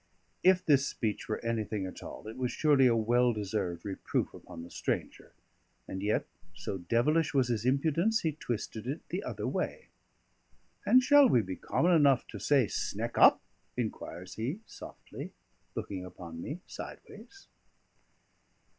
If this speech were anything at all, it was surely a well deserved reproof upon the stranger; and yet, so devilish was his impudence, he twisted it the other way. "And shall we be common enough to say 'Sneck up'?" inquires he softly, looking upon me sideways.